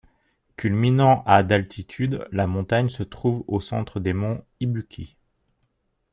Culminant à d'altitude, la montagne se trouve au centre des monts Ibuki.